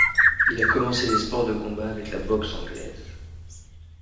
Il a commencé les sports de combat avec la boxe anglaise.